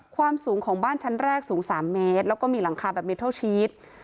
ความสูงของบ้านชั้นแรกสูง๓เมตรแล้วก็มีหลังคาแบบเมทัลชีส